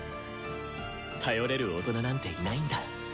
頼れる大人なんていないんだ。